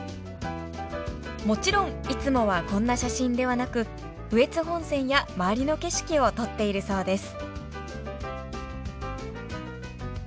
もちろんいつもはこんな写真ではなく羽越本線や周りの景色を撮っているそうです。